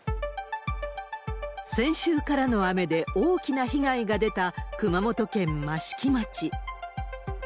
先週からの雨で大きな被害が出た、熊本県益城町。